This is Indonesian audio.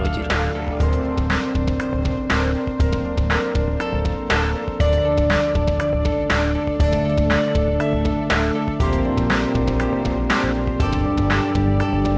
kami juga brasilek pri